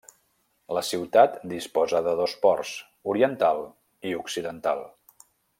La ciutat disposa de dos ports, Oriental i Occidental.